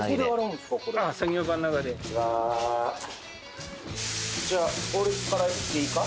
こんにちはじゃあ俺からいっていいか？